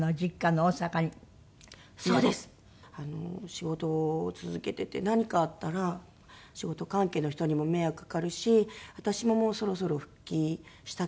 仕事を続けていて何かあったら仕事関係の人にも迷惑かかるし私ももうそろそろ復帰したかったし。